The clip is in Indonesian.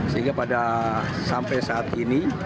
sehingga pada sampai saat ini